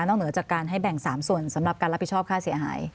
เหนือจากการให้แบ่ง๓ส่วนสำหรับการรับผิดชอบค่าเสียหาย